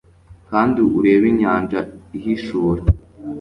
kandi urebe inyanja ihishura